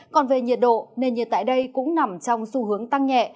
còn về nhiệt độ nền nhiệt tại đây cũng nằm trong xu hướng tăng nhẹ